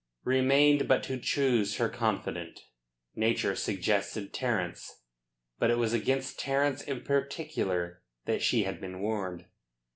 Remained but to choose her confidant. Nature suggested Terence. But it was against Terence in particular that she had been warned.